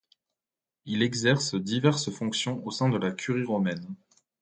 Il exerce diverses fonctions au sein de la curie romaine.